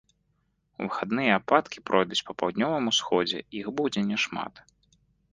У выхадныя ападкі пройдуць па паўднёвым усходзе, іх будзе няшмат.